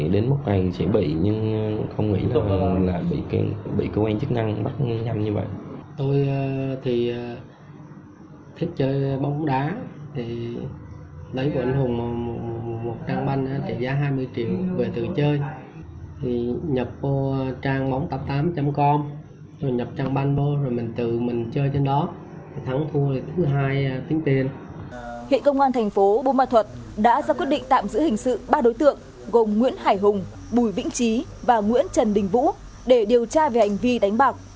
đã ra quyết định tạm giữ hình sự ba đối tượng gồm nguyễn hải hùng bùi vĩnh trí và nguyễn trần đình vũ để điều tra về hành vi đánh bạc